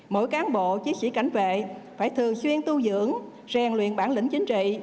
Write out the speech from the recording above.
mỗi cán bộ chiến sĩ cảnh vệ phải thường xuyên tu dưỡng rèn luyện bản lĩnh chính trị